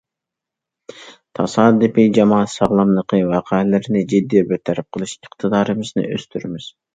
تاسادىپىي جامائەت ساغلاملىقى ۋەقەلىرىنى جىددىي بىر تەرەپ قىلىش ئىقتىدارىمىزنى ئۆستۈرىمىز.